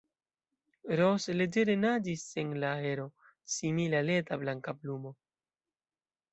Ros leĝere naĝis en la aero, simile al eta blanka plumo.